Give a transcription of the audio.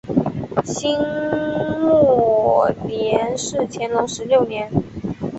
辛未年是乾隆十六年。